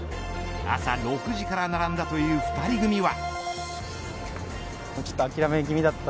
朝６時から並んだという２人組は。